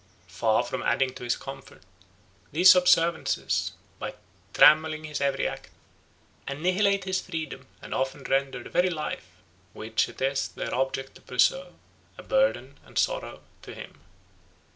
Far from adding to his comfort, these observances, by trammelling his every act, annihilate his freedom and often render the very life, which it is their object to preserve, a burden and sorrow to him.